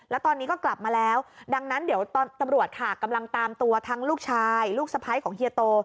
แล้วตอนนี้ก็กลับมาแล้วดังนั้นเดี๋ยวตำรวจค่ะกำลังตามตัวทั้งลูกชายลูกสะพ้ายของเฮียโต